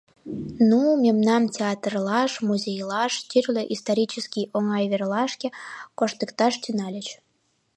Ну, мемнам театрлаш, музейлаш, тӱрлӧ исторический оҥай верлашке коштыкташ тӱҥальыч.